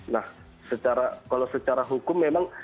nah kalau secara hukum memang